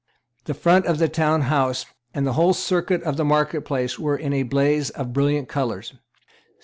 The front of the Town House and the whole circuit of the marketplace were in a blaze with brilliant colours.